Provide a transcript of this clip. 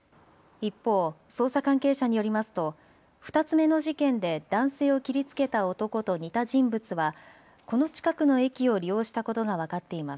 一方、捜査関係者によりますと２つ目の事件で男性を切りつけた男と似た人物はこの近くの駅を利用したことが分かっています。